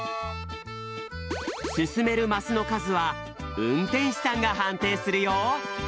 すすめるマスのかずはうんてんしさんがはんていするよ